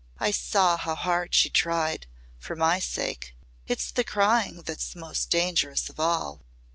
I saw how hard she tried for my sake. It's the crying that's most dangerous of all."